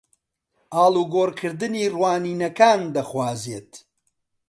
ئاڵوگۆڕکردنی ڕوانینەکان دەخوازێت